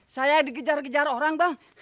saya dikejar kejar orang bang